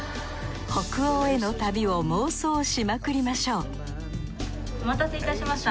北欧への旅を妄想しまくりましょうお待たせいたしました。